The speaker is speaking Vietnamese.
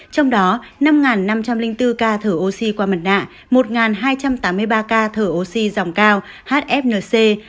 trong đó năm năm trăm linh bốn ca thở oxy qua mặt nạ một hai trăm tám mươi ba ca thở oxy dòng cao hfnc